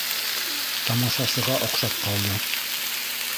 Тамашасыға оҡшап ҡалды.